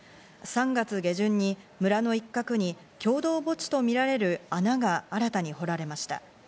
３月下旬に村の一角に、共同墓地とみられる穴が新たに掘られました。